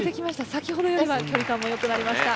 先ほどよりはきょり感もよくなりました。